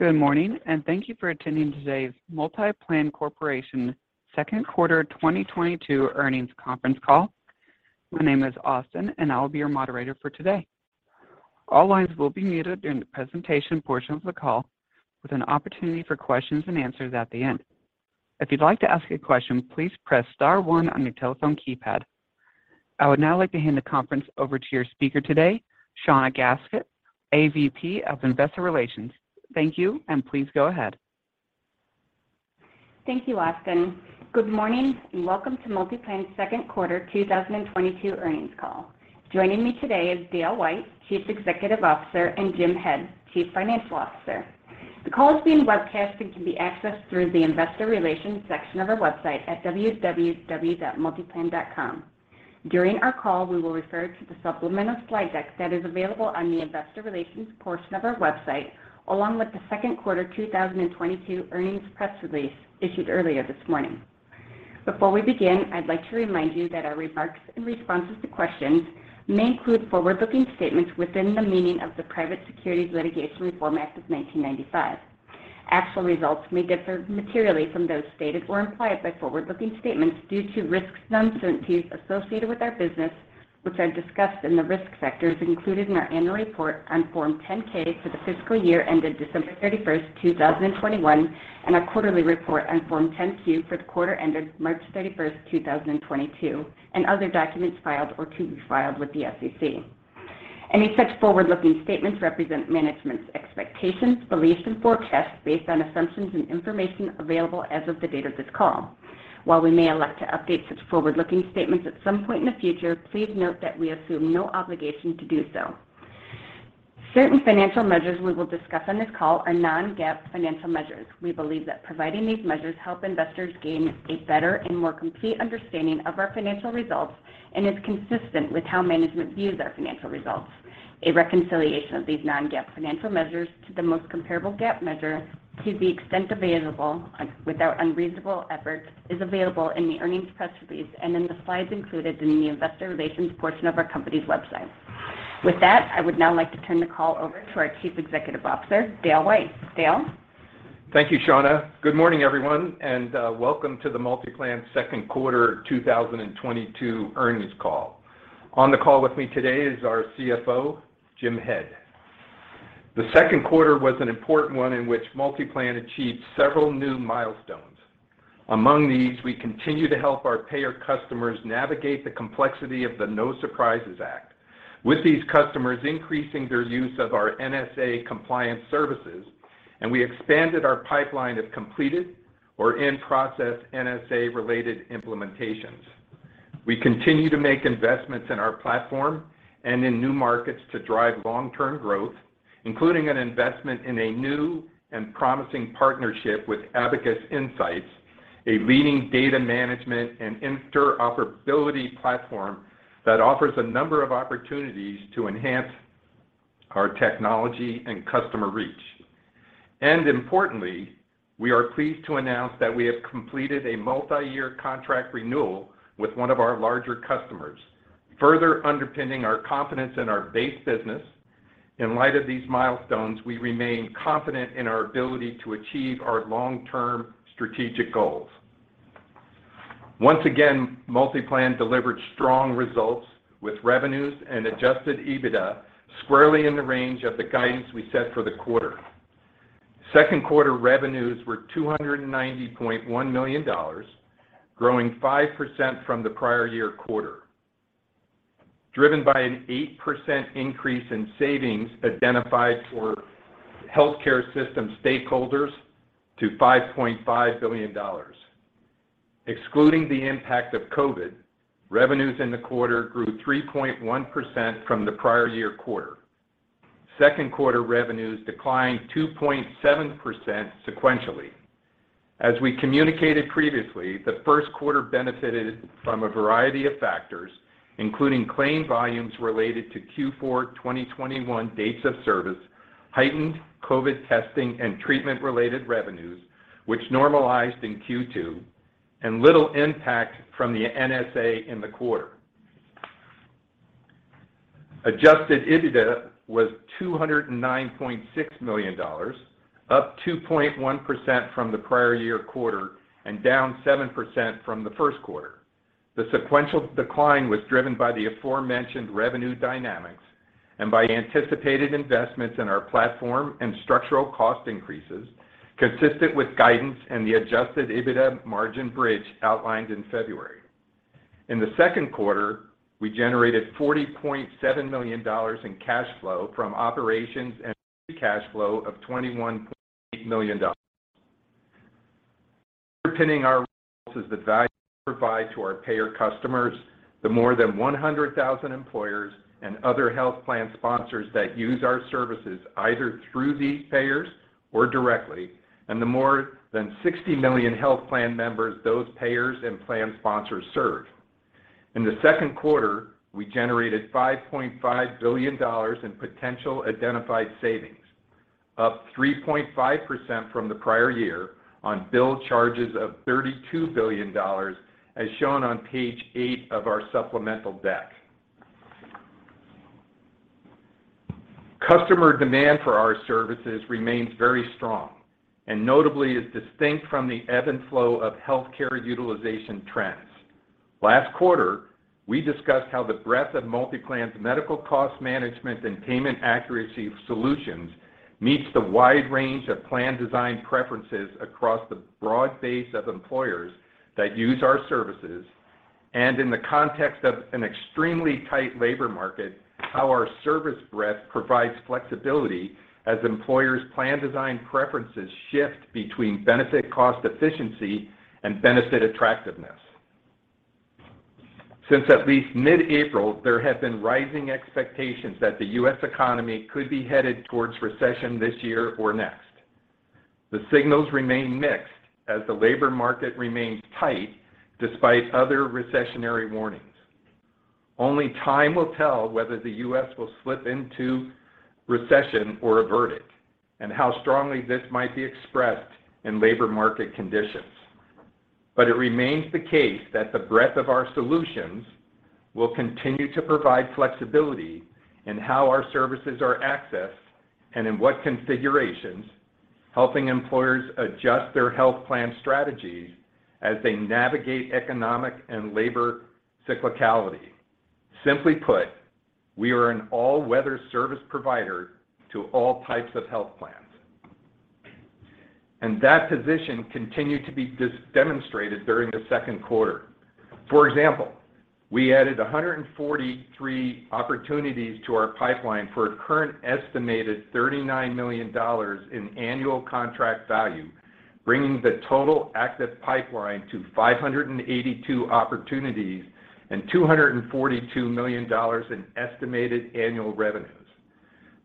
Good morning, and thank you for attending today's MultiPlan Corporation second quarter 2022 earnings conference Call. My name is Austin, and I will be your moderator for today. All lines will be muted during the presentation portion of the call, with an opportunity for questions and answers at the end. If you'd like to ask a question, please press star one on your telephone keypad. I would now like to hand the conference over to your speaker today, Shawna Gasik, AVP of Investor Relations. Thank you, and please go ahead. Thank you, Austin. Good morning, and welcome to MultiPlan second quarter 2022 earnings call. Joining me today is Dale White, Chief Executive Officer, and Jim Head, Chief Financial Officer. The call is being webcast and can be accessed through the Investor Relations section of our website at www.multiplan.com. During our call, we will refer to the supplemental slide deck that is available on the Investor Relations portion of our website, along with the second quarter 2022 earnings press release issued earlier this morning. Before we begin, I'd like to remind you that our remarks and responses to questions may include forward-looking statements within the meaning of the Private Securities Litigation Reform Act of 1995. Actual results may differ materially from those stated or implied by forward-looking statements due to risks and uncertainties associated with our business, which are discussed in the risk factors included in our annual report on Form 10-K for the fiscal year ended December 31st, 2021, and our quarterly report on Form 10-Q for the quarter ended March 31st, 2022, and other documents filed or to be filed with the SEC. Any such forward-looking statements represent management's expectations, beliefs, and forecasts based on assumptions and information available as of the date of this call. While we may elect to update such forward-looking statements at some point in the future, please note that we assume no obligation to do so. Certain financial measures we will discuss on this call are non-GAAP financial measures. We believe that providing these measures help investors gain a better and more complete understanding of our financial results and is consistent with how management views our financial results. A reconciliation of these non-GAAP financial measures to the most comparable GAAP measure, to the extent available without unreasonable effort, is available in the earnings press release and in the slides included in the Investor Relations portion of our company's website. With that, I would now like to turn the call over to our Chief Executive Officer, Dale White. Dale? Thank you, Shawna. Good morning, everyone, and welcome to the MultiPlan second quarter 2022 earnings call. On the call with me today is our CFO, Jim Head. The second quarter was an important one in which MultiPlan achieved several new milestones. Among these, we continue to help our payer customers navigate the complexity of the No Surprises Act. With these customers increasing their use of our NSA compliance services, and we expanded our pipeline of completed or in-process NSA-related implementations. We continue to make investments in our platform and in new markets to drive long-term growth, including an investment in a new and promising partnership with Abacus Insights, a leading data management and interoperability platform that offers a number of opportunities to enhance our technology and customer reach. Importantly, we are pleased to announce that we have completed a multiyear contract renewal with one of our larger customers, further underpinning our confidence in our base business. In light of these milestones, we remain confident in our ability to achieve our long-term strategic goals. Once again, MultiPlan delivered strong results with revenues and adjusted EBITDA squarely in the range of the guidance we set for the quarter. Second quarter revenues were $290.1 million, growing 5% from the prior-year quarter, driven by an 8% increase in savings identified for healthcare system stakeholders to $5.5 billion. Excluding the impact of COVID, revenues in the quarter grew 3.1% from the prior-year quarter. Second quarter revenues declined 2.7% sequentially. As we communicated previously, the first quarter benefited from a variety of factors, including claim volumes related to Q4 2021 dates of service, heightened COVID testing and treatment-related revenues, which normalized in Q2, and little impact from the NSA in the quarter. Adjusted EBITDA was $209.6 million, up 2.1% from the prior year quarter and down 7% from the first quarter. The sequential decline was driven by the aforementioned revenue dynamics and by anticipated investments in our platform and structural cost increases consistent with guidance and the adjusted EBITDA margin bridge outlined in February. In the second quarter, we generated $40.7 million in cash flow from operations and free cash flow of $21.8 million. Underpinning our results is the value we provide to our payer customers, the more than 100,000 employers and other health plan sponsors that use our services either through these payers or directly, and the more than 60 million health plan members those payers and plan sponsors serve. In the second quarter, we generated $5.5 billion in potential identified savings, up 3.5% from the prior year on bill charges of $32 billion as shown on page eight of our supplemental deck. Customer demand for our services remains very strong and notably is distinct from the ebb and flow of healthcare utilization trends. Last quarter, we discussed how the breadth of MultiPlan's medical cost management and payment accuracy solutions meets the wide range of plan design preferences across the broad base of employers that use our services. In the context of an extremely tight labor market, how our service breadth provides flexibility as employers' plan design preferences shift between benefit cost efficiency and benefit attractiveness. Since at least mid-April, there have been rising expectations that the U.S. economy could be headed towards recession this year or next. The signals remain mixed as the labor market remains tight despite other recessionary warnings. Only time will tell whether the U.S. will slip into recession or avert it, and how strongly this might be expressed in labor market conditions. It remains the case that the breadth of our solutions will continue to provide flexibility in how our services are accessed and in what configurations, helping employers adjust their health plan strategy as they navigate economic and labor cyclicality. Simply put, we are an all-weather service provider to all types of health plans. That position continued to be demonstrated during the second quarter. For example, we added 143 opportunities to our pipeline for a current estimated $39 million in annual contract value, bringing the total active pipeline to 582 opportunities and $242 million in estimated annual revenues.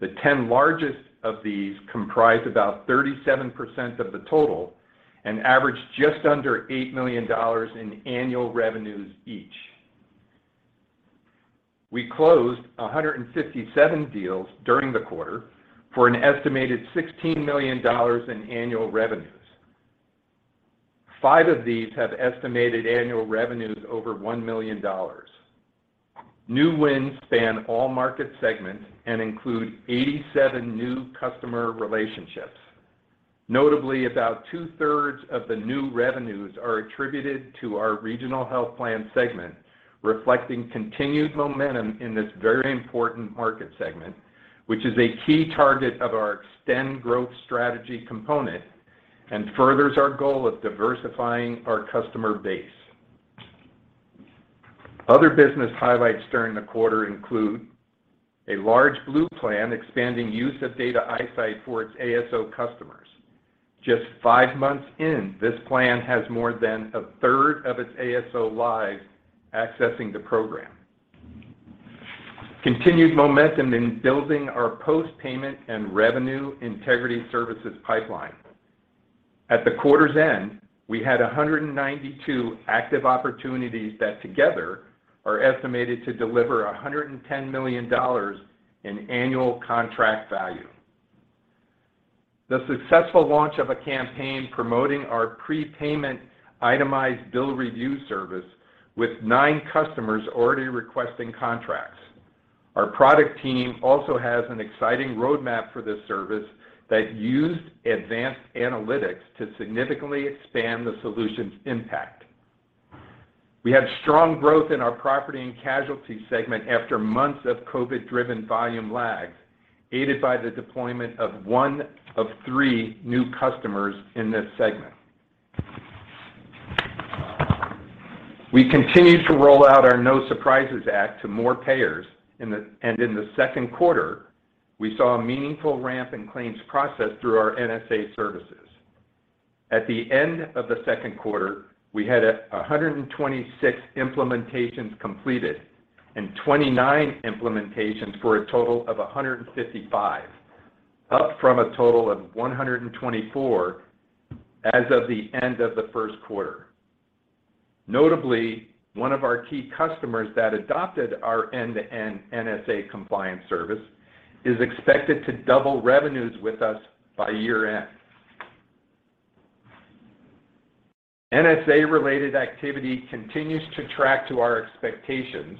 The 10 largest of these comprise about 37% of the total and average just under $8 million in annual revenues each. We closed 157 deals during the quarter for an estimated $16 million in annual revenues. Five of these have estimated annual revenues over $1 million. New wins span all market segments and include 87 new customer relationships. Notably, about 2/3 of the new revenues are attributed to our regional health plan segment, reflecting continued momentum in this very important market segment, which is a key target of our Extend Growth Strategy component and furthers our goal of diversifying our customer base. Other business highlights during the quarter include a large blue plan expanding use of Data iSight for its ASO customers. Just five months in, this plan has more than a third of its ASO lives accessing the program. Continued momentum in building our post-payment and revenue integrity services pipeline. At the quarter's end, we had 192 active opportunities that together are estimated to deliver $110 million in annual contract value. The successful launch of a campaign promoting our prepayment itemized bill review service with nine customers already requesting contracts. Our product team also has an exciting roadmap for this service that used advanced analytics to significantly expand the solution's impact. We had strong growth in our property and casualty segment after months of COVID-driven volume lags, aided by the deployment of one of three new customers in this segment. We continued to roll out our No Surprises Act to more payers, and in the second quarter, we saw a meaningful ramp in claims processed through our NSA services. At the end of the second quarter, we had 126 implementations completed and 29 implementations for a total of 155, up from a total of 124 as of the end of the first quarter. Notably, one of our key customers that adopted our end-to-end NSA compliance service is expected to double revenues with us by year-end. NSA-related activity continues to track to our expectations,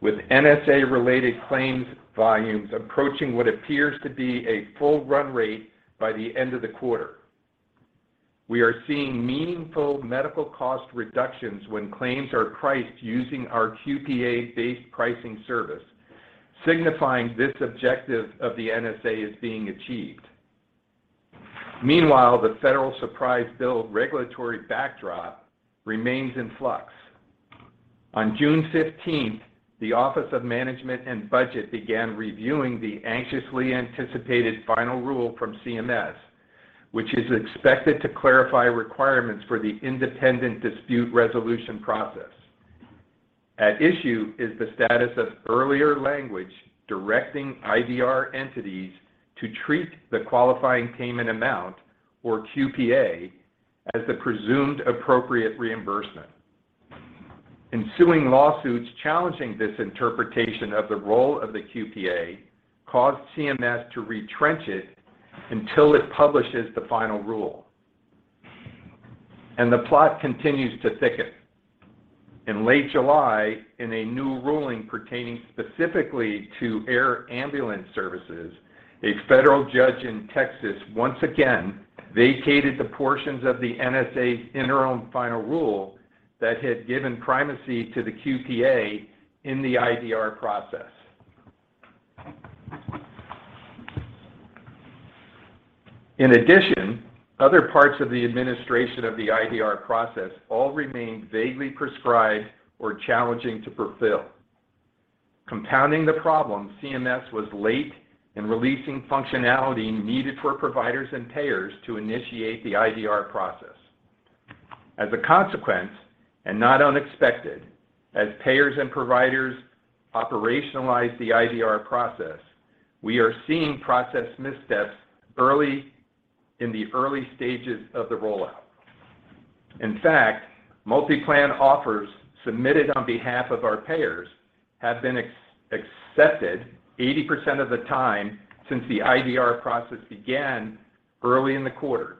with NSA-related claims volumes approaching what appears to be a full run rate by the end of the quarter. We are seeing meaningful medical cost reductions when claims are priced using our QPA-based pricing service, signifying this objective of the NSA is being achieved. Meanwhile, the Federal Surprise Bill regulatory backdrop remains in flux. On June fifteenth, the Office of Management and Budget began reviewing the anxiously anticipated final rule from CMS, which is expected to clarify requirements for the independent dispute resolution process. At issue is the status of earlier language directing IDR entities to treat the qualifying payment amount, or QPA, as the presumed appropriate reimbursement. Ensuing lawsuits challenging this interpretation of the role of the QPA caused CMS to retrench it until it publishes the final rule. The plot continues to thicken. In late July, in a new ruling pertaining specifically to air ambulance services, a federal judge in Texas once again vacated the portions of the NSA's interim final rule that had given primacy to the QPA in the IDR process. In addition, other parts of the administration of the IDR process all remain vaguely prescribed or challenging to fulfill. Compounding the problem, CMS was late in releasing functionality needed for providers and payers to initiate the IDR process. As a consequence, and not unexpected, as payers and providers operationalize the IDR process, we are seeing process missteps in the early stages of the rollout. In fact, MultiPlan offers submitted on behalf of our payers have been accepted 80% of the time since the IDR process began early in the quarter,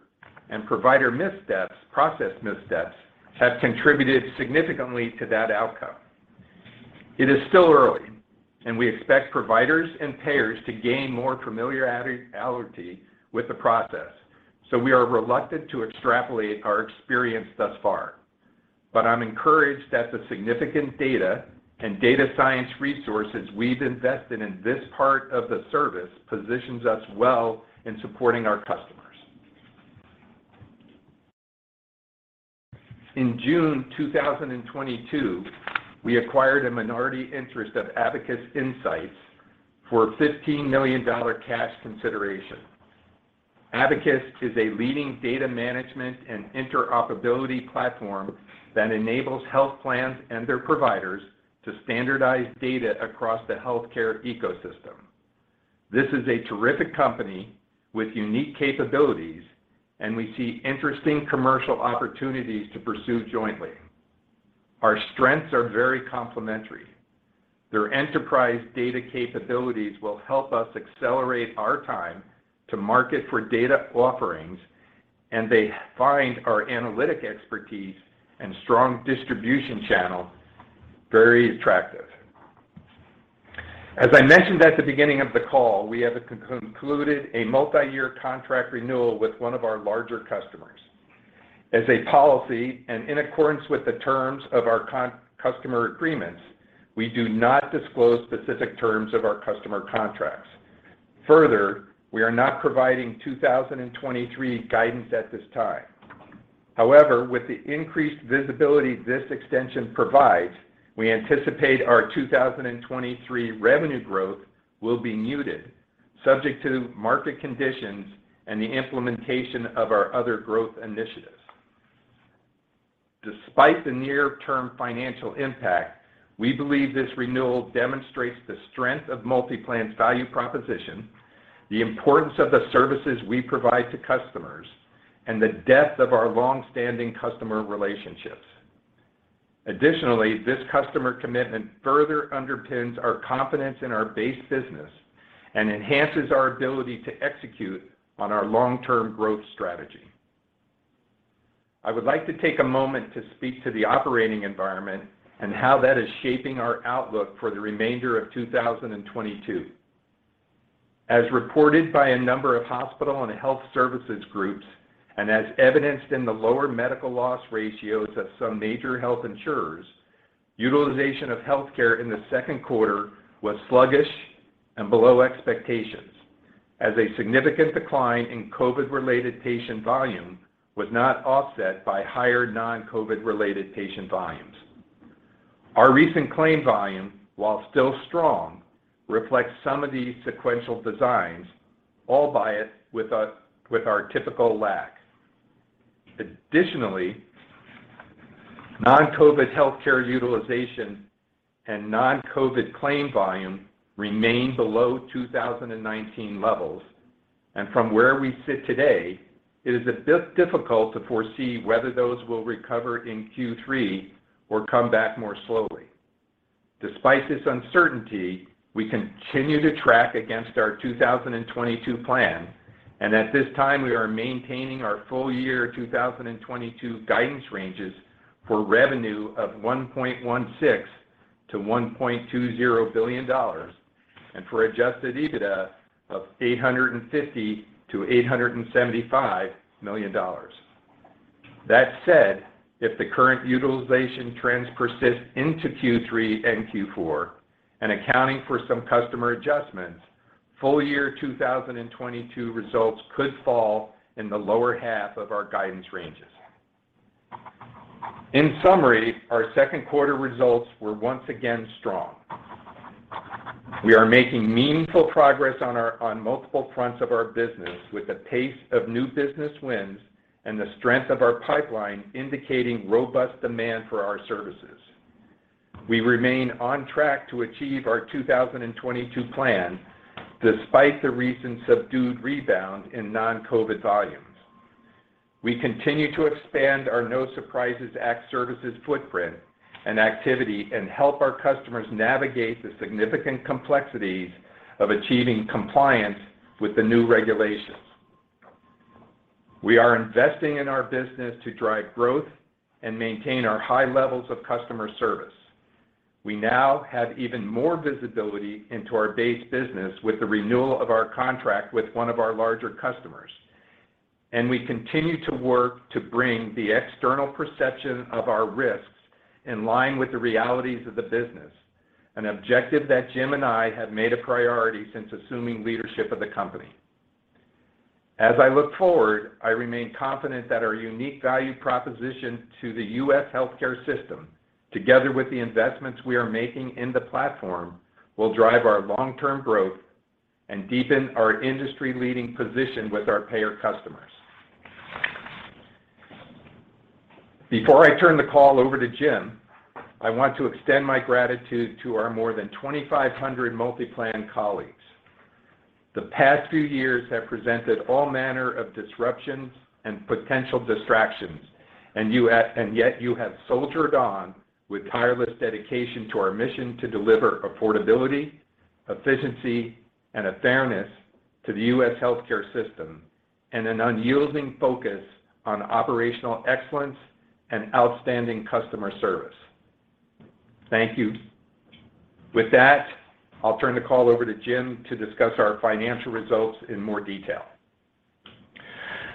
and provider missteps have contributed significantly to that outcome. It is still early, and we expect providers and payers to gain more familiarity with the process. We are reluctant to extrapolate our experience thus far. I'm encouraged that the significant data and data science resources we've invested in this part of the service positions us well in supporting our customers. In June 2022, we acquired a minority interest of Abacus Insights for a $15 million cash consideration. Abacus is a leading data management and interoperability platform that enables health plans and their providers to standardize data across the healthcare ecosystem. This is a terrific company with unique capabilities, and we see interesting commercial opportunities to pursue jointly. Our strengths are very complementary. Their enterprise data capabilities will help us accelerate our time to market for data offerings, and they find our analytic expertise and strong distribution channel very attractive. As I mentioned at the beginning of the call, we have concluded a multi-year contract renewal with one of our larger customers. As a policy, and in accordance with the terms of our customer agreements, we do not disclose specific terms of our customer contracts. Further, we are not providing 2023 guidance at this time. However, with the increased visibility this extension provides, we anticipate our 2023 revenue growth will be muted, subject to market conditions and the implementation of our other growth initiatives. Despite the near-term financial impact, we believe this renewal demonstrates the strength of MultiPlan's value proposition, the importance of the services we provide to customers, and the depth of our long-standing customer relationships. Additionally, this customer commitment further underpins our confidence in our base business and enhances our ability to execute on our long-term growth strategy. I would like to take a moment to speak to the operating environment and how that is shaping our outlook for the remainder of 2022. As reported by a number of hospital and health services groups, and as evidenced in the lower medical loss ratios of some major health insurers, utilization of healthcare in the second quarter was sluggish and below expectations as a significant decline in COVID-related patient volume was not offset by higher non-COVID-related patient volumes. Our recent claim volume, while still strong, reflects some of these sequential declines, albeit with our typical lag. Additionally, non-COVID healthcare utilization and non-COVID claim volume remain below 2019 levels. From where we sit today, it is a bit difficult to foresee whether those will recover in Q3 or come back more slowly. Despite this uncertainty, we continue to track against our 2022 plan, and at this time, we are maintaining our full year 2022 guidance ranges for revenue of $1.16 billion-$1.20 billion and for adjusted EBITDA of $850 million-$875 million. That said, if the current utilization trends persist into Q3 and Q4, and accounting for some customer adjustments, full year 2022 results could fall in the lower half of our guidance ranges. In summary, our second quarter results were once again strong. We are making meaningful progress on multiple fronts of our business with the pace of new business wins and the strength of our pipeline indicating robust demand for our services. We remain on track to achieve our 2022 plan despite the recent subdued rebound in non-COVID volumes. We continue to expand our No Surprises Act services footprint and activity and help our customers navigate the significant complexities of achieving compliance with the new regulations. We are investing in our business to drive growth and maintain our high levels of customer service. We now have even more visibility into our base business with the renewal of our contract with one of our larger customers. We continue to work to bring the external perception of our risks in line with the realities of the business, an objective that Jim and I have made a priority since assuming leadership of the company. As I look forward, I remain confident that our unique value proposition to the U.S. healthcare system, together with the investments we are making in the platform, will drive our long-term growth and deepen our industry-leading position with our payer customers. Before I turn the call over to Jim, I want to extend my gratitude to our more than 2,500 MultiPlan colleagues. The past few years have presented all manner of disruptions and potential distractions, and yet you have soldiered on with tireless dedication to our mission to deliver affordability, efficiency, and fairness to the U.S. healthcare system and an unyielding focus on operational excellence and outstanding customer service. Thank you. With that, I'll turn the call over to Jim to discuss our financial results in more detail.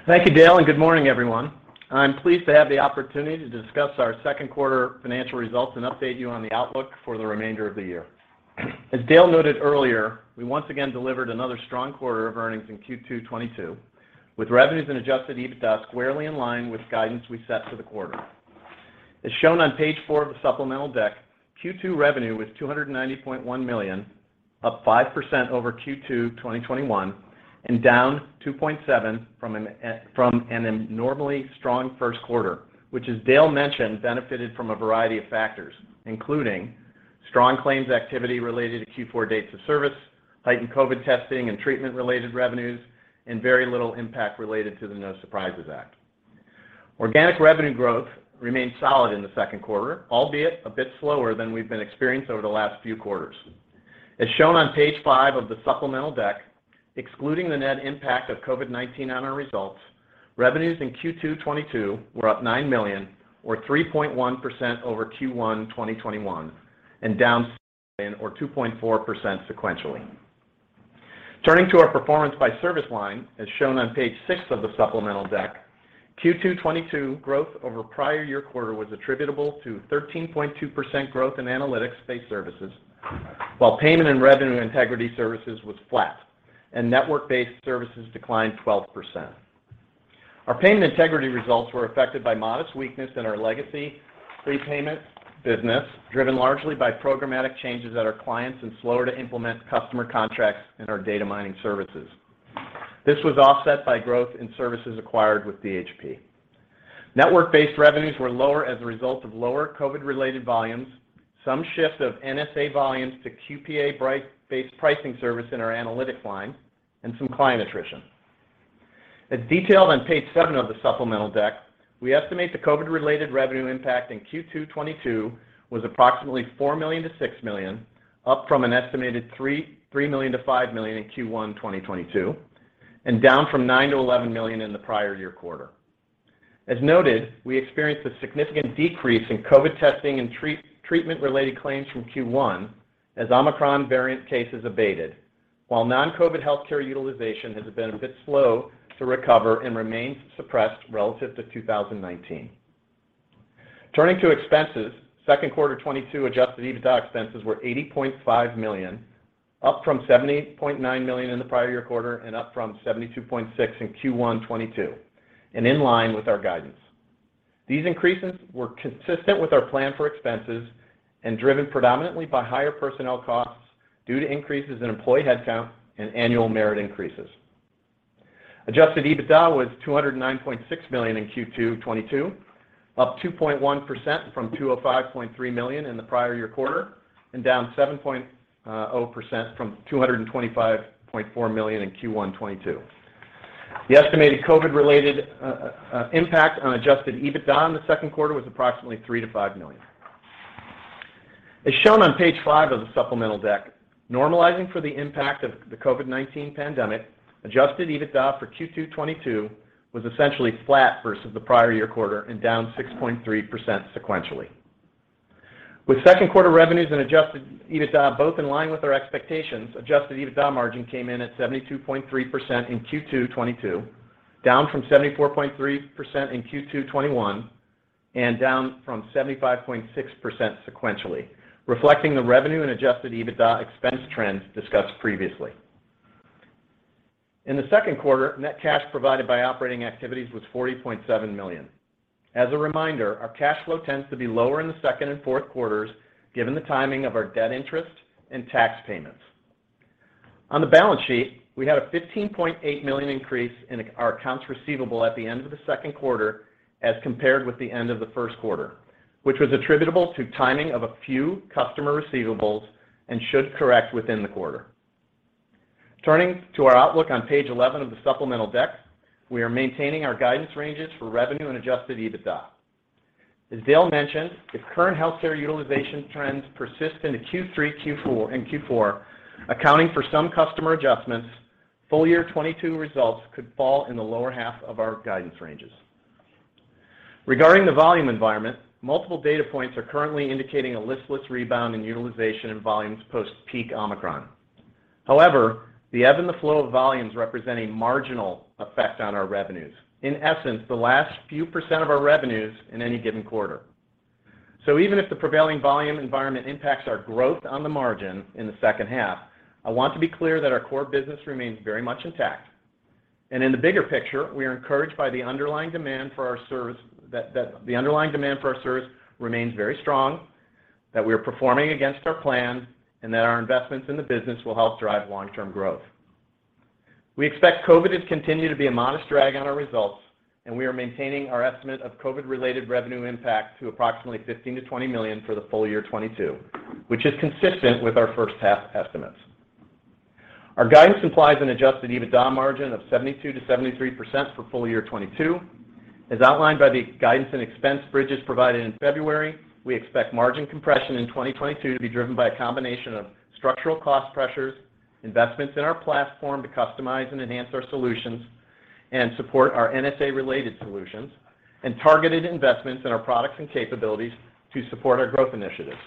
Thank you, Dale, and good morning, everyone. I'm pleased to have the opportunity to discuss our second quarter financial results and update you on the outlook for the remainder of the year. As Dale noted earlier, we once again delivered another strong quarter of earnings in Q2 2022, with revenues and adjusted EBITDA squarely in line with guidance we set for the quarter. As shown on page four of the supplemental deck, Q2 revenue was $290.1 million, up 5% over Q2 2021, and down 2.7% from an abnormally strong first quarter, which as Dale mentioned, benefited from a variety of factors, including strong claims activity related to Q4 dates of service, heightened COVID testing and treatment-related revenues, and very little impact related to the No Surprises Act. Organic revenue growth remained solid in the second quarter, albeit a bit slower than we've experienced over the last few quarters. As shown on page five of the supplemental deck, excluding the net impact of COVID-19 on our results, revenues in Q2 2022 were up $9 million or 3.1% over Q1 2021 and down 2.4% sequentially. Turning to our performance by service line, as shown on page six of the supplemental deck, Q2 2022 growth over prior year quarter was attributable to 13.2% growth in analytics-based services, while payment and revenue integrity services was flat, and network-based services declined 12%. Our payment integrity results were affected by modest weakness in our legacy prepayment business, driven largely by programmatic changes at our clients and slower to implement customer contracts in our data mining services. This was offset by growth in services acquired with BST. Network-based revenues were lower as a result of lower COVID-related volumes, some shift of NSA volumes to QPA price-based pricing service in our analytic line, and some client attrition. As detailed on page seven of the supplemental deck, we estimate the COVID-related revenue impact in Q2 2022 was approximately $4 million-$6 million, up from an estimated $3 million-$5 million in Q1 2022, and down from $9 million-$11 million in the prior year quarter. As noted, we experienced a significant decrease in COVID testing and treatment related claims from Q1 as Omicron variant cases abated, while non-COVID healthcare utilization has been a bit slow to recover and remains suppressed relative to 2019. Turning to expenses, second quarter 2022 adjusted EBITDA expenses were $80.5 million, up from $78.9 million in the prior year quarter and up from $72.6 million in Q1 2022, and in line with our guidance. These increases were consistent with our plan for expenses and driven predominantly by higher personnel costs due to increases in employee headcount and annual merit increases. Adjusted EBITDA was $209.6 million in Q2 2022, up 2.1% from $205.3 million in the prior year quarter, and down 7.0% from $225.4 million in Q1 2022. The estimated COVID-related impact on adjusted EBITDA in the second quarter was approximately $3 million-$5 million. As shown on page five of the supplemental deck, normalizing for the impact of the COVID-19 pandemic, adjusted EBITDA for Q2 2022 was essentially flat versus the prior year quarter and down 6.3% sequentially. With second quarter revenues and adjusted EBITDA both in line with our expectations, adjusted EBITDA margin came in at 72.3% in Q2 2022, down from 74.3% in Q2 2021, and down from 75.6% sequentially, reflecting the revenue and adjusted EBITDA expense trends discussed previously. In the second quarter, net cash provided by operating activities was $40.7 million. As a reminder, our cash flow tends to be lower in the second and fourth quarters given the timing of our debt interest and tax payments. On the balance sheet, we had a $15.8 million increase in our accounts receivable at the end of the second quarter as compared with the end of the first quarter, which was attributable to timing of a few customer receivables and should correct within the quarter. Turning to our outlook on page 11 of the supplemental deck, we are maintaining our guidance ranges for revenue and adjusted EBITDA. As Dale mentioned, if current healthcare utilization trends persist into Q3 and Q4, accounting for some customer adjustments, full year 2022 results could fall in the lower half of our guidance ranges. Regarding the volume environment, multiple data points are currently indicating a listless rebound in utilization and volumes post-peak Omicron. However, the ebb and the flow of volumes represent a marginal effect on our revenues. In essence, the last few percent of our revenues in any given quarter. Even if the prevailing volume environment impacts our growth on the margin in the second half, I want to be clear that our core business remains very much intact. In the bigger picture, we are encouraged by the underlying demand for our service that remains very strong, that we are performing against our plan, and that our investments in the business will help drive long-term growth. We expect COVID to continue to be a modest drag on our results, and we are maintaining our estimate of COVID-related revenue impact to approximately $15 million-$20 million for the full year 2022, which is consistent with our first half estimates. Our guidance implies an adjusted EBITDA margin of 72%-73% for full year 2022. As outlined by the guidance and expense bridges provided in February, we expect margin compression in 2022 to be driven by a combination of structural cost pressures, investments in our platform to customize and enhance our solutions and support our NSA-related solutions, and targeted investments in our products and capabilities to support our growth initiatives.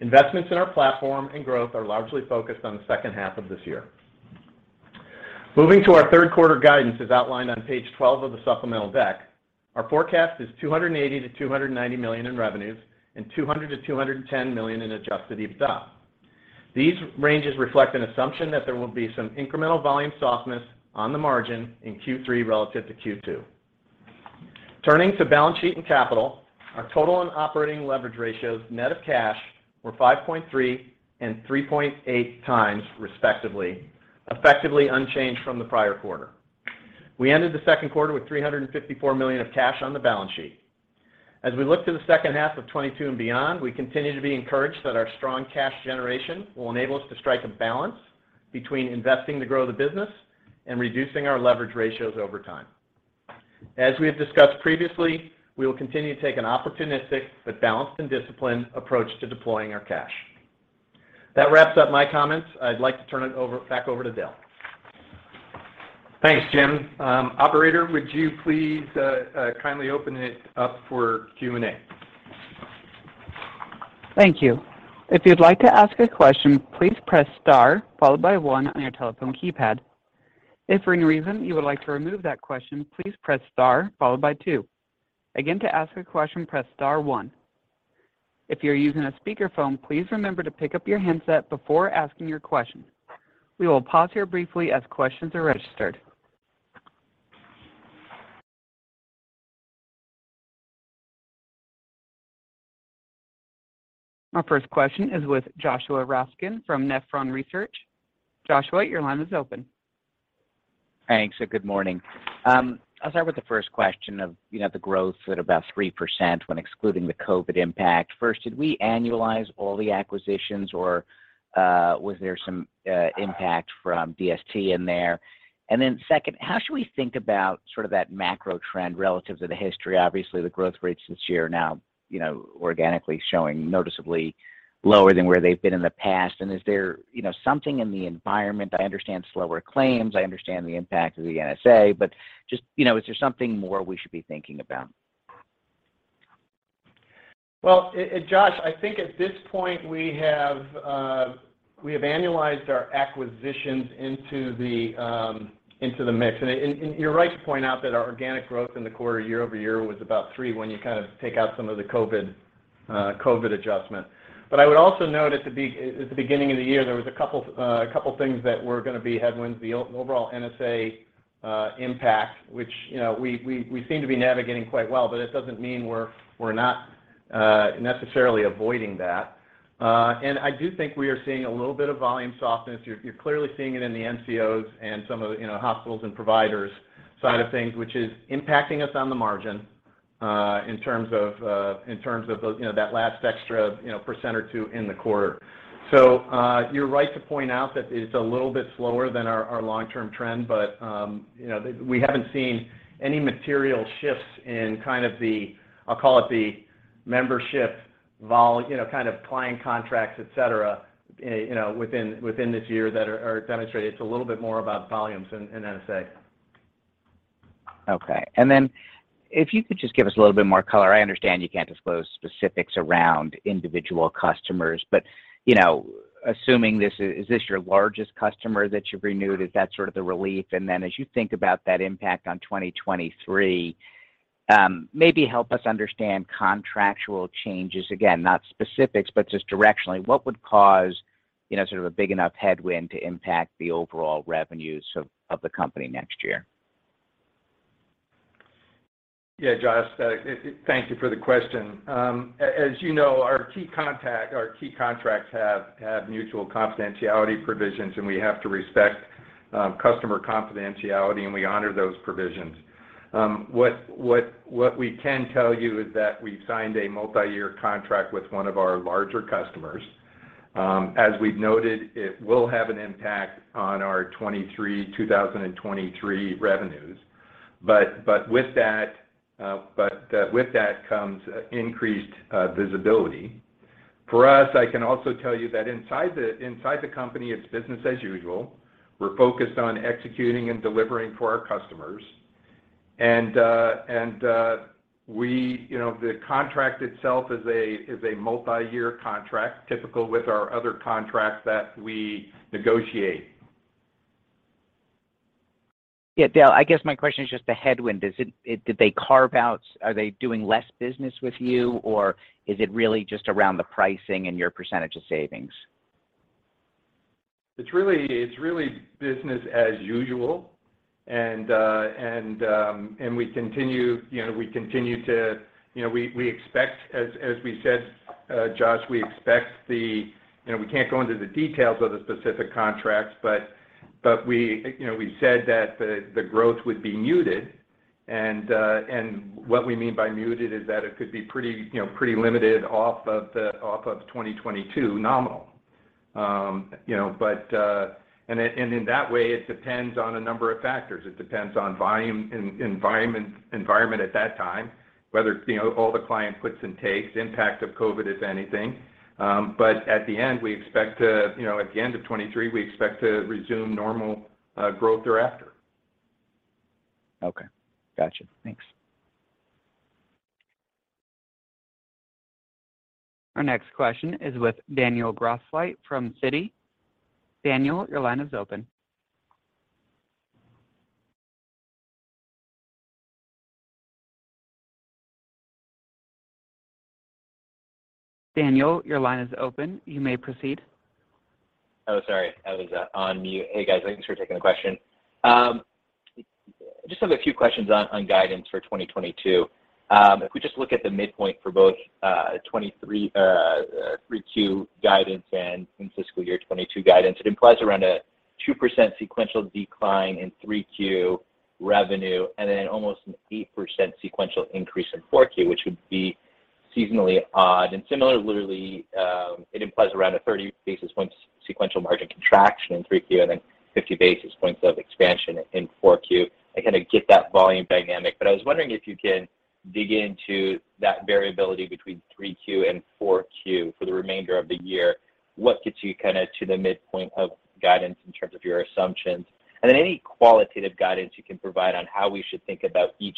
Investments in our platform and growth are largely focused on the second half of this year. Moving to our third quarter guidance as outlined on page 12 of the supplemental deck. Our forecast is $280 million-$290 million in revenues and $200 million-$210 million in adjusted EBITDA. These ranges reflect an assumption that there will be some incremental volume softness on the margin in Q3 relative to Q2. Turning to balance sheet and capital, our total and operating leverage ratios net of cash were 5.3x and 3.8x, respectively, effectively unchanged from the prior quarter. We ended the second quarter with $354 million of cash on the balance sheet. As we look to the second half of 2022 and beyond, we continue to be encouraged that our strong cash generation will enable us to strike a balance between investing to grow the business and reducing our leverage ratios over time. As we have discussed previously, we will continue to take an opportunistic, but balanced and disciplined approach to deploying our cash. That wraps up my comments. I'd like to turn it back over to Dale. Thanks, Jim. Operator, would you please kindly open it up for Q&A? Thank you. If you'd like to ask a question, please press star followed by one on your telephone keypad. If for any reason you would like to remove that question, please press star followed by two. Again, to ask a question, press star one. If you're using a speakerphone, please remember to pick up your handset before asking your question. We will pause here briefly as questions are registered. Our first question is with Joshua Raskin from Nephron Research. Joshua, your line is open. Thanks, good morning. I'll start with the first question of, you know, the growth at about 3% when excluding the COVID impact. First, did we annualize all the acquisitions or, was there some, impact from HST in there? Second, how should we think about sort of that macro trend relative to the history? Obviously, the growth rates this year are now, you know, organically showing noticeably lower than where they've been in the past. Is there, you know, something in the environment? I understand slower claims, I understand the impact of the NSA, but just, you know, is there something more we should be thinking about? Josh, I think at this point, we have annualized our acquisitions into the mix. You're right to point out that our organic growth in the quarter year over year was about 3% when you kind of take out some of the COVID adjustment. I would also note at the beginning of the year, there was a couple things that were gonna be headwinds. The overall NSA impact, which, you know, we seem to be navigating quite well, but it doesn't mean we're not necessarily avoiding that. I do think we are seeing a little bit of volume softness. You're clearly seeing it in the MCOs and some of the, you know, hospitals and providers side of things, which is impacting us on the margin, in terms of those, you know, that last extra, you know, 1% or 2% in the quarter. You're right to point out that it's a little bit slower than our long-term trend, but, you know, we haven't seen any material shifts in kind of the, I'll call it the membership volume, you know, kind of client contracts, etc, you know, within this year that are demonstrated. It's a little bit more about volumes than NSA. Okay. If you could just give us a little bit more color. I understand you can't disclose specifics around individual customers, but, you know, assuming this, is this your largest customer that you've renewed? Is that sort of the relief? As you think about that impact on 2023, maybe help us understand contractual changes. Again, not specifics, but just directionally, what would cause, you know, sort of a big enough headwind to impact the overall revenues of the company next year? Yeah, Josh. Thank you for the question. As you know, our key contact, our key contracts have mutual confidentiality provisions, and we have to respect customer confidentiality, and we honor those provisions. What we can tell you is that we've signed a multi-year contract with one of our larger customers. As we've noted, it will have an impact on our 2023 revenues. With that comes increased visibility. For us, I can also tell you that inside the company, it's business as usual. We're focused on executing and delivering for our customers. You know, the contract itself is a multi-year contract, typical with our other contracts that we negotiate. Yeah, Dale, I guess my question is just the headwind. Did they carve out? Are they doing less business with you, or is it really just around the pricing and your percentage of savings? It's really business as usual. We expect as we said, Josh. You know, we can't go into the details of the specific contracts, but we said that the growth would be muted and what we mean by muted is that it could be pretty limited off of 2022 nominal. You know, but in that way, it depends on a number of factors. It depends on volume, environment at that time, whether it's, you know, all the client puts and takes, impact of COVID, if anything. But at the end, you know, at the end of 2023, we expect to resume normal growth thereafter. Okay. Gotcha. Thanks. Our next question is with Daniel Grosslight from Citi. Daniel, your line is open. You may proceed. Oh, sorry. I was on mute. Hey, guys. Thanks for taking the question. Just have a few questions on guidance for 2022. If we just look at the midpoint for both 3Q guidance and in fiscal year 2022 guidance, it implies around a 2% sequential decline in 3Q revenue, and then almost an 8% sequential increase in 4Q, which would be seasonally odd. Similarly, literally, it implies around a 30 basis points sequential margin contraction in 3Q and then 50 basis points of expansion in 4Q. I kind of get that volume dynamic, but I was wondering if you can dig into that variability between 3Q and 4Q for the remainder of the year. What gets you kind of to the midpoint of guidance in terms of your assumptions? Any qualitative guidance you can provide on how we should think about each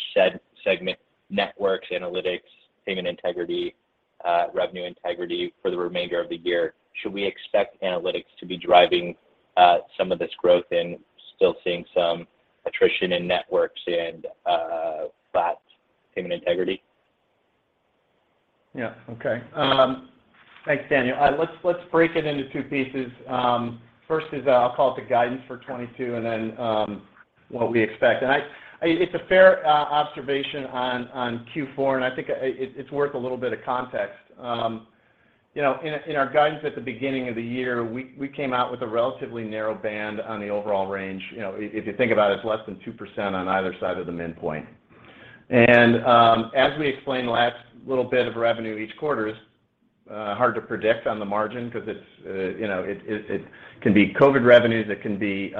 segment, networks, analytics, payment integrity, revenue integrity for the remainder of the year. Should we expect analytics to be driving some of this growth and still seeing some attrition in networks and flat payment integrity? Yeah. Okay. Thanks, Daniel. Let's break it into two pieces. First is, I'll call it the guidance for 2022, and then, what we expect. It's a fair observation on Q4, and I think it's worth a little bit of context. You know, in our guidance at the beginning of the year, we came out with a relatively narrow band on the overall range. You know, if you think about it's less than 2% on either side of the midpoint. As we explained last little bit of revenue each quarter, it's hard to predict on the margin because it's you know, it can be COVID revenues, it can be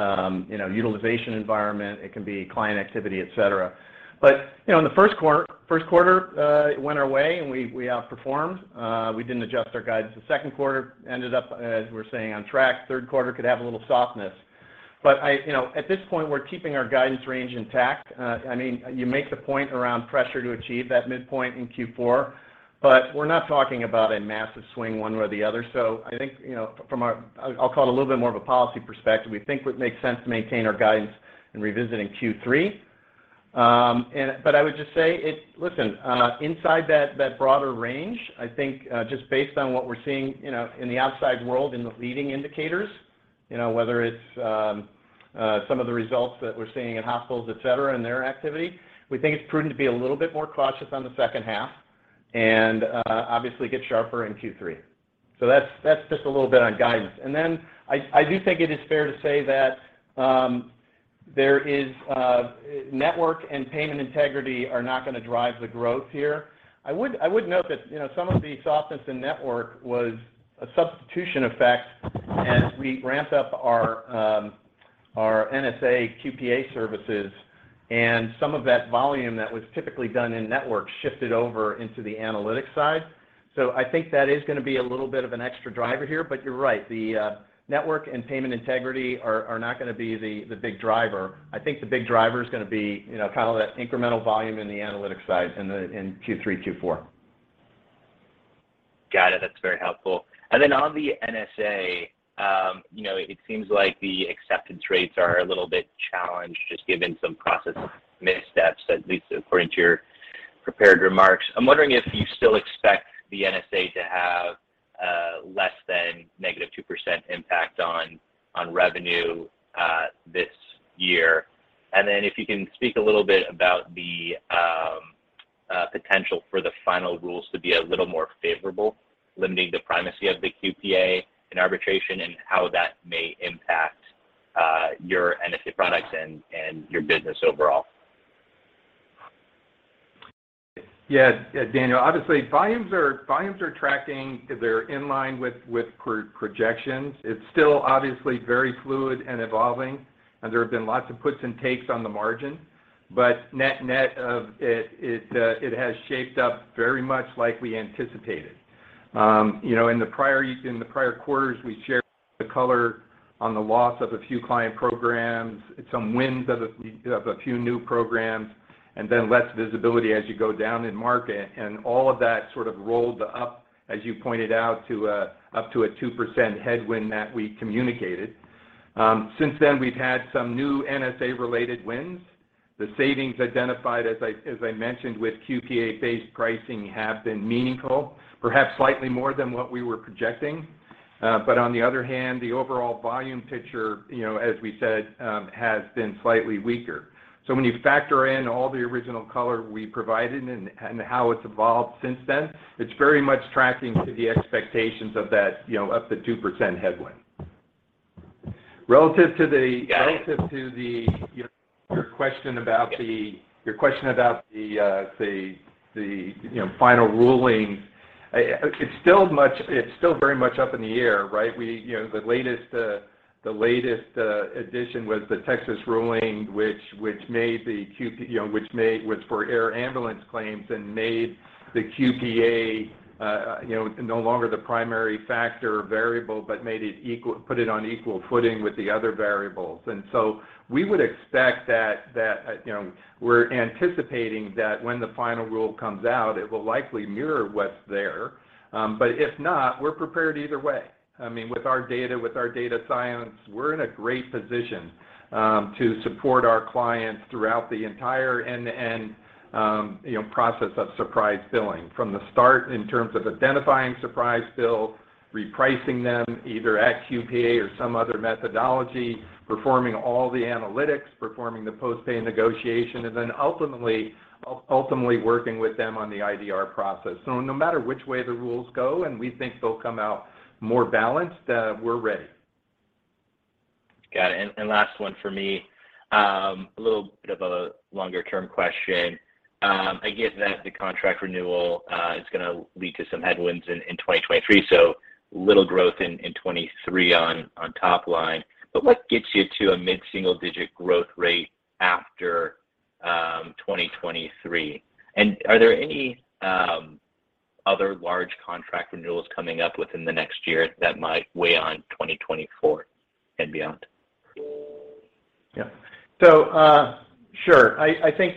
you know, utilization environment, it can be client activity, etc. You know, in the first quarter, it went our way, and we outperformed. We didn't adjust our guidance. The second quarter ended up, as we're saying, on track. Third quarter could have a little softness. You know, at this point, we're keeping our guidance range intact. I mean, you make the point around pressure to achieve that midpoint in Q4, but we're not talking about a massive swing one way or the other. I think, you know, from our, I'll call it a little bit more of a policy perspective, we think what makes sense to maintain our guidance in revisiting Q3. I would just say it. Listen, inside that broader range, I think just based on what we're seeing, you know, in the outside world, in the leading indicators, you know, whether it's some of the results that we're seeing in hospitals, etc, and their activity, we think it's prudent to be a little bit more cautious on the second half and obviously get sharper in Q3. That's just a little bit on guidance. Then I do think it is fair to say that there is network and payment integrity are not gonna drive the growth here. I would note that, you know, some of the softness in network was a substitution effect as we ramp up our NSA QPA services, and some of that volume that was typically done in network shifted over into the analytics side. I think that is gonna be a little bit of an extra driver here. You're right, the network and payment integrity are not gonna be the big driver. I think the big driver is gonna be, you know, kind of that incremental volume in the analytics side in Q3, Q4. Got it. That's very helpful. On the NSA, you know, it seems like the acceptance rates are a little bit challenged, just given some process missteps, at least according to your prepared remarks. I'm wondering if you still expect the NSA to have less than -2% impact on revenue this year. If you can speak a little bit about the potential for the final rules to be a little more favorable, limiting the primacy of the QPA in arbitration, and how that may impact your NSA products and your business overall. Yeah, Daniel, obviously volumes are tracking, they're in line with projections. It's still obviously very fluid and evolving, and there have been lots of puts and takes on the margin. Net of it has shaped up very much like we anticipated. You know, in the prior quarters, we shared the color on the loss of a few client programs, some wins of a few new programs, and then less visibility as you go down in market. All of that sort of rolled up, as you pointed out, up to a 2% headwind that we communicated. Since then, we've had some new NSA-related wins. The savings identified, as I mentioned, with QPA-based pricing have been meaningful, perhaps slightly more than what we were projecting. On the other hand, the overall volume picture, you know, as we said, has been slightly weaker. When you factor in all the original color we provided and how it's evolved since then, it's very much tracking to the expectations of that, you know, up to 2% headwind. Relative to your question about the final ruling, it's still very much up in the air, right? You know, the latest addition was the Texas ruling, which was for air ambulance claims and made the QPA, you know, no longer the primary factor or variable, but put it on equal footing with the other variables. We would expect that you know, we're anticipating that when the final rule comes out, it will likely mirror what's there. But if not, we're prepared either way. I mean, with our data, with our data science, we're in a great position to support our clients throughout the entire end-to-end you know, process of surprise billing, from the start in terms of identifying surprise bill, repricing them either at QPA or some other methodology, performing all the analytics, performing the post-pay negotiation, and then ultimately working with them on the IDR process. No matter which way the rules go, and we think they'll come out more balanced, we're ready. Got it. Last one for me. A little bit of a longer-term question. I get that the contract renewal is gonna lead to some headwinds in 2023, so little growth in 2023 on top line. What gets you to a mid-single-digit growth rate after 2023? Are there any other large contract renewals coming up within the next year that might weigh on 2024 and beyond? Yeah. Sure. I think,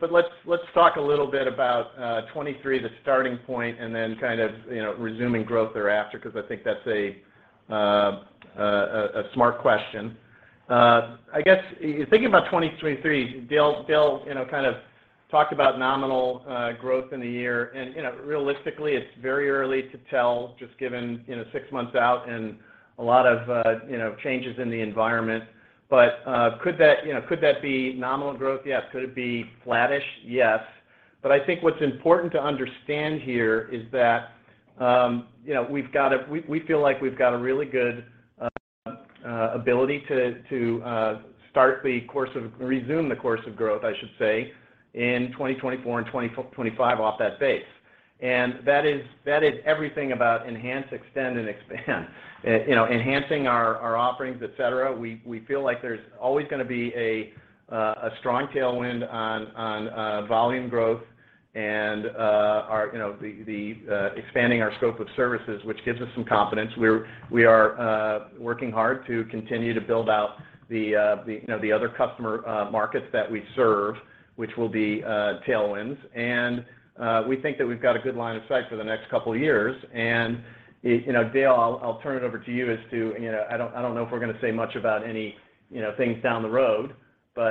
but let's talk a little bit about 2023, the starting point, and then kind of, you know, resuming growth thereafter, 'cause I think that's a smart question. I guess I'm thinking about 2023, Dale, you know, kind of talked about nominal growth in the year. You know, realistically, it's very early to tell, just given, you know, six months out and a lot of, you know, changes in the environment. Could that be nominal growth? Yes. Could it be flattish? Yes. I think what's important to understand here is that, you know, we feel like we've got a really good ability to resume the course of growth, I should say, in 2024 and 2025 off that base. That is everything about enhance, extend, and expand. You know, enhancing our offerings, etc, we feel like there's always gonna be a strong tailwind on volume growth and our, you know, the expanding our scope of services, which gives us some confidence. We are working hard to continue to build out the, you know, the other customer markets that we serve, which will be tailwinds. We think that we've got a good line of sight for the next couple years. It, you know, Dale, I'll turn it over to you as to, you know, I don't know if we're gonna say much about any, you know, things down the road. You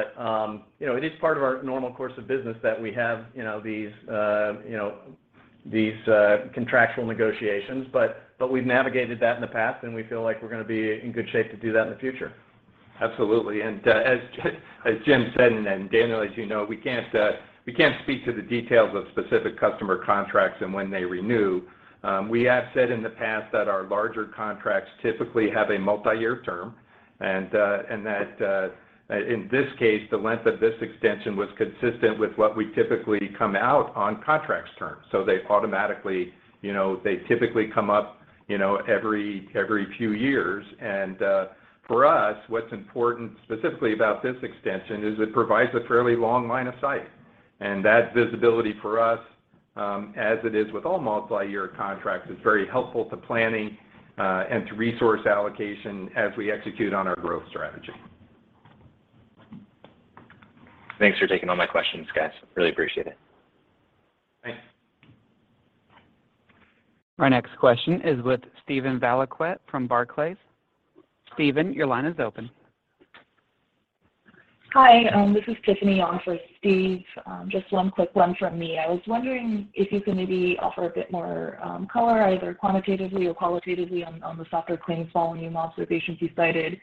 know, it is part of our normal course of business that we have, you know, these contractual negotiations. We've navigated that in the past, and we feel like we're gonna be in good shape to do that in the future. Absolutely. As Jim said, and Daniel, as you know, we can't speak to the details of specific customer contracts and when they renew. We have said in the past that our larger contracts typically have a multi-year term, and that, in this case, the length of this extension was consistent with what we typically come out on contracts terms. They automatically, you know, they typically come up, you know, every few years. For us, what's important specifically about this extension is it provides a fairly long line of sight. That visibility for us, as it is with all multi-year contracts, is very helpful to planning, and to resource allocation as we execute on our growth strategy. Thanks for taking all my questions, guys. Really appreciate it. Thanks. Our next question is with Steven Valiquette from Barclays. Steven, your line is open. Hi, this is Tiffany on for Steve. Just one quick one from me. I was wondering if you can maybe offer a bit more color, either quantitatively or qualitatively on the softer claims volume observations you cited.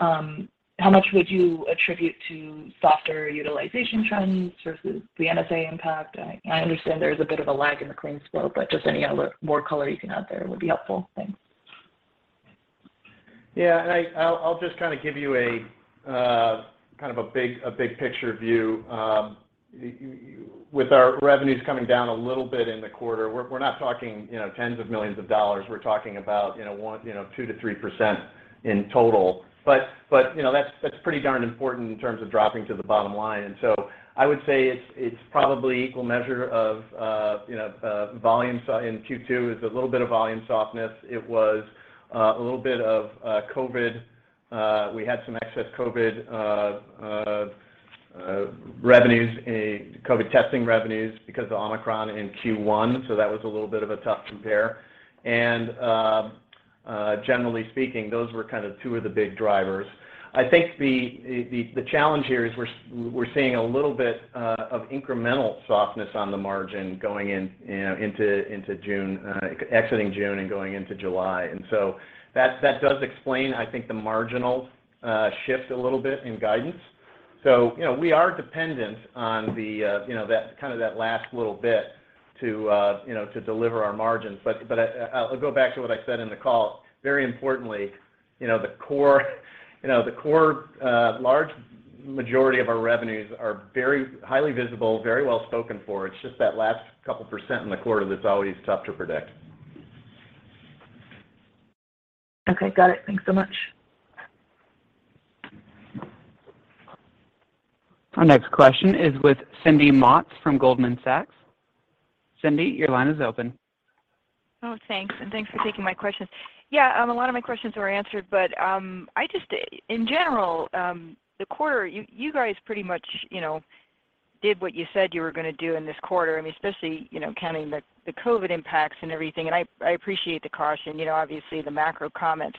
How much would you attribute to softer utilization trends versus the NSA impact? I understand there's a bit of a lag in the claims flow, but just any other more color you can add there would be helpful. Thanks. Yeah. I'll just kind of give you a big picture view. With our revenues coming down a little bit in the quarter, we're not talking, you know, tens of millions of dollars. We're talking about, you know, 1%, you know, 2%-3% in total. You know, that's pretty darn important in terms of dropping to the bottom line. I would say it's probably equal measure of, you know, volume. In Q2 is a little bit of volume softness. It was a little bit of COVID. We had some excess COVID revenues, COVID testing revenues because of Omicron in Q1, so that was a little bit of a tough compare. Generally speaking, those were kind of two of the big drivers. I think the challenge here is we're seeing a little bit of incremental softness on the margin going in, you know, into June, exiting June and going into July. That does explain, I think, the marginal shift a little bit in guidance. You know, we are dependent on the, you know, that kind of that last little bit to, you know, to deliver our margins. I'll go back to what I said in the call, very importantly, you know, the core large majority of our revenues are very highly visible, very well spoken for. It's just that last couple percent in the quarter that's always tough to predict. Okay. Got it. Thanks so much. Our next question is with Cindy Motz from Goldman Sachs. Cindy, your line is open. Oh, thanks. Thanks for taking my questions. Yeah, a lot of my questions were answered, but I just in general, the quarter, you guys pretty much, you know, did what you said you were gonna do in this quarter, I mean, especially, you know, counting the COVID impacts and everything. I appreciate the caution, you know, obviously the macro comments.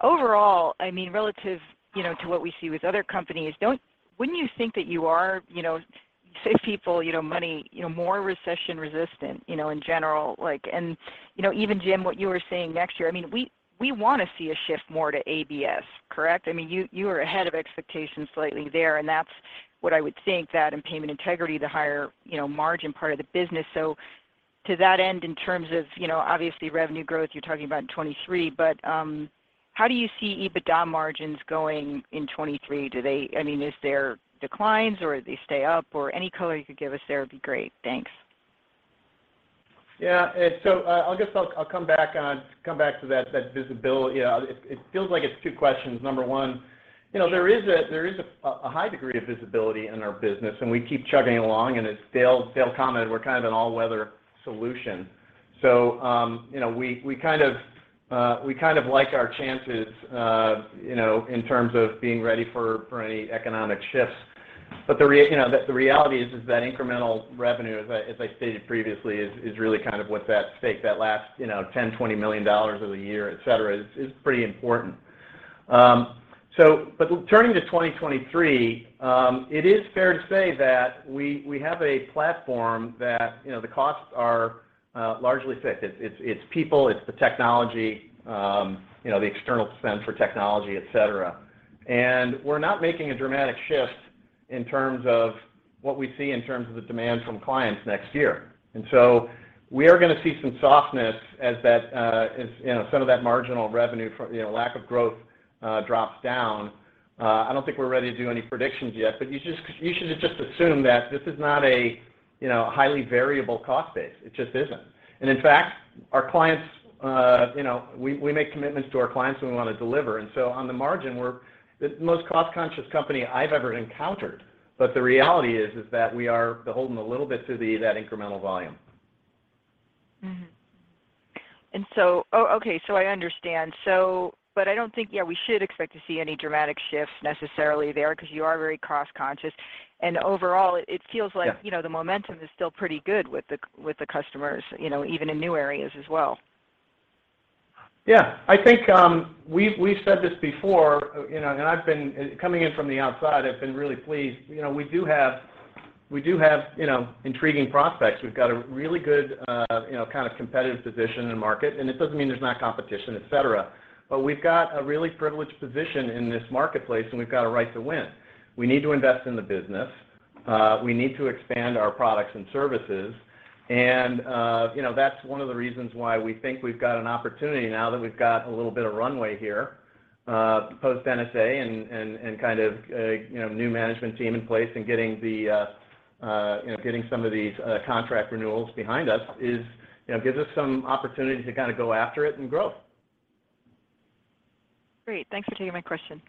Overall, I mean, relative, you know, to what we see with other companies, wouldn't you think that you are, you know, you say to people, you know, money, you know, more recession resistant, you know, in general? Like you know, even, Jim, what you were saying next year, I mean, we wanna see a shift more to ABS, correct? I mean, you are ahead of expectations slightly there, and that's what I would think that in Payment Integrity, the higher, you know, margin part of the business. To that end, in terms of, you know, obviously revenue growth, you're talking about in 2023, but how do you see EBITDA margins going in 2023? Do they? I mean, is there declines or they stay up, or any color you could give us there would be great. Thanks. Yeah. I'll just come back to that visibility. It feels like it's two questions. Number one, you know, there is a high degree of visibility in our business, and we keep chugging along, and as Dale commented, we're kind of an all-weather solution. You know, we kind of like our chances, you know, in terms of being ready for any economic shifts. The reality is that incremental revenue, as I stated previously, is really kind of what's at stake, that last, you know, $10 million-$20 million of the year, etc, is pretty important. Turning to 2023, it is fair to say that we have a platform that the costs are largely fixed. It's people, it's the technology, you know, the external spend for technology, etc. We're not making a dramatic shift in terms of what we see in terms of the demand from clients next year. We are gonna see some softness as some of that marginal revenue from lack of growth drops down. I don't think we're ready to do any predictions yet, but you should just assume that this is not a highly variable cost base. It just isn't. In fact, our clients, you know, we make commitments to our clients and we wanna deliver. On the margin, we're the most cost-conscious company I've ever encountered. The reality is that we are beholden a little bit to that incremental volume. Oh, okay. I understand. But I don't think, yeah, we should expect to see any dramatic shifts necessarily there 'cause you are very cost conscious. Overall it feels like. Yeah. You know, the momentum is still pretty good with the customers, you know, even in new areas as well. Yeah. I think, we've said this before, you know, and I've been coming in from the outside, I've been really pleased. You know, we do have intriguing prospects. We've got a really good, you know, kind of competitive position in the market, and it doesn't mean there's not competition, etc. We've got a really privileged position in this marketplace, and we've got a right to win. We need to invest in the business. We need to expand our products and services. You know, that's one of the reasons why we think we've got an opportunity now that we've got a little bit of runway here, post NSA and kind of a, you know, new management team in place and getting some of these contract renewals behind us, you know, gives us some opportunity to kind of go after it and grow. Great. Thanks for taking my question.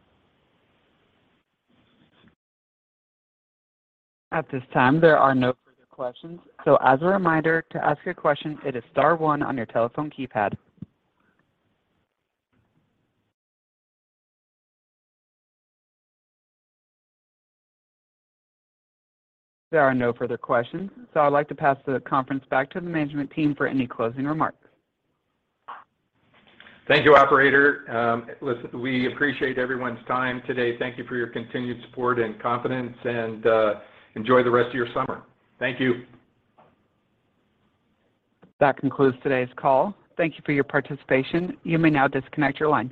At this time, there are no further questions. As a reminder, to ask a question, it is star one on your telephone keypad. There are no further questions, so I'd like to pass the conference back to the management team for any closing remarks. Thank you, operator. Listen, we appreciate everyone's time today. Thank you for your continued support and confidence and enjoy the rest of your summer. Thank you. That concludes today's call. Thank you for your participation. You may now disconnect your line.